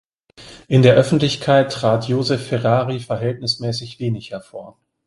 In der Öffentlichkeit trat Josef Ferrari verhältnismäßig wenig hervor.